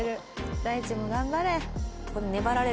大地も頑張れ。